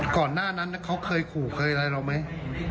ก่อนหน้านั้นเขาเคยขู่เคยอะไรเราไหม